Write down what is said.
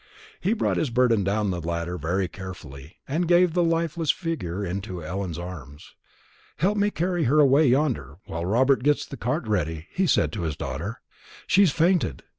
He brought his burden down the ladder very carefully, and gave the lifeless figure into Ellen's arms. "Help me to carry her away yonder, while Robert gets the cart ready," he said to his daughter; "she's fainted."